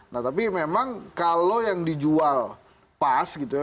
nah tapi memang kalau yang dijual pas gitu ya